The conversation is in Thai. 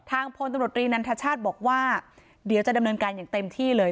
พลตำรวจรีนันทชาติบอกว่าเดี๋ยวจะดำเนินการอย่างเต็มที่เลย